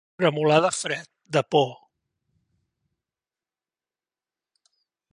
Tremolar de fred, de por.